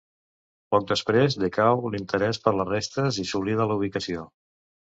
Poc després decau l'interès per les restes i s'oblida la ubicació.